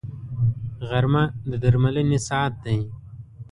غرمه د درملنې ساعت دی